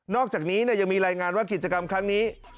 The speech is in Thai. อกจากนี้ยังมีรายงานว่ากิจกรรมครั้งนี้